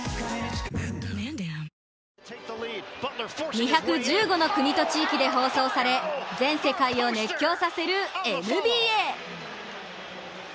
２１５の国と地域で放送され全世界を熱狂させるＮＢＡ。